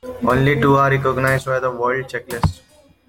Only two are recognized by the World Checklist.